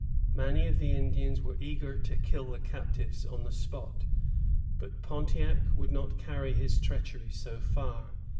Many of the Indians were eager to kill the captives on the spot, but Pontiac would not carry his treachery so far.